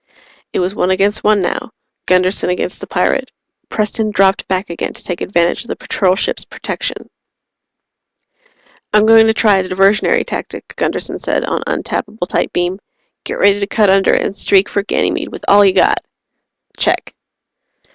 It was one against one, now Gunderson against the pirate. Preston dropped back again to take advantage of the Patrol ship's protection. "I'm going to try a diversionary tactic," Gunderson said on untappable tight beam. "Get ready to cut under and streak for Ganymede with all you got." "Check."